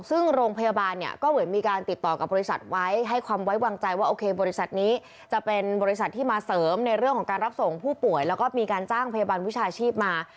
ซึ่งโรงพยาบาลเนี่ยก็เหมือนมีการติดต่อกับบริษัทไว้ให้ความไว้วางใจว่าโอเคบริษัทนี้จะเป็นบริษัทที่มาเสริมในเรื่องของการรับส่งผู้ป่วยแล้วก็มีการจ้างพยาบาลวิชาชีพมา